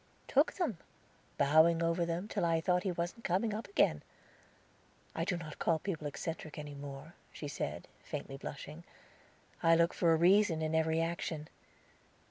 "Took them, bowing over them, till I thought he wasn't coming up again. I do not call people eccentric any more," she said, faintly blushing. "I look for a reason in every action.